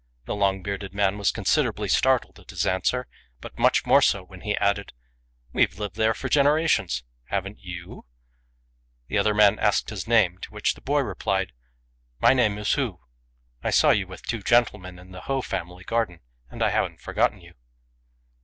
The long bearded man was con siderably startled at his answer, but much more so when he added, " We've lived there for generations : haven't you ?" The other then asked his name, to which the boy roplied, " My name is Hu. 1 I saw you with two gentlemen in the Ho family garden, and haven't for gotten you."